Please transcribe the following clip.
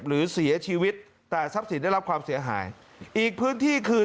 หรือเสียชีวิตแต่ทรัพย์สินได้รับความเสียหายอีกพื้นที่คือ